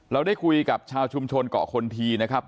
เราได้คุยกับชาวชุมชนเกาะคนทีนะครับ